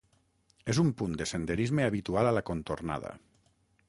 És un punt de senderisme habitual a la contornada.